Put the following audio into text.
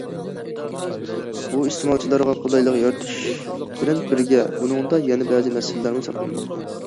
بۇ، ئىستېمالچىلارغا قولايلىق يارىتىش بىلەن بىرگە، بۇنىڭدا يەنە بەزى مەسىلىلەرمۇ ساقلانماقتا.